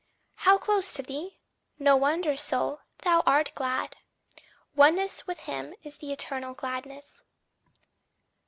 "How close to thee!" no wonder, soul, thou art glad! Oneness with him is the eternal gladness.